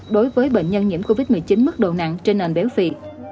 đối với bệnh nhân nhiễm covid một mươi chín mức độ nặng trên nền béo phì